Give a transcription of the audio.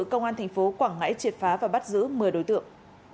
công an thành phố quảng ngãi triệt phá và bắt giữ một mươi đối tượng